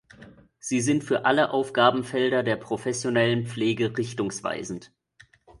Sie sind für alle Aufgabenfelder der professionellen Pflege richtungweisend.